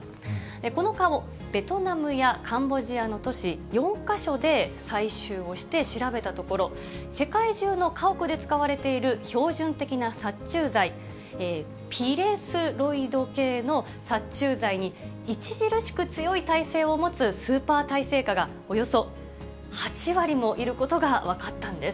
この蚊をベトナムやカンボジアの都市４か所で採集をして調べたところ、世界中の家屋で使われている標準的な殺虫剤、ピレスロイド系の殺虫剤に、著しく強い耐性を持つスーパー耐性蚊が、およそ８割もいることが分かったんです。